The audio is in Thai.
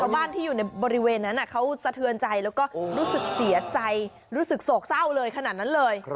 บ้านที่อยู่ในบริเวณนั้นเขาสะเทือนใจแล้วก็รู้สึกเสียใจรู้สึกโศกเศร้าเลยขนาดนั้นเลย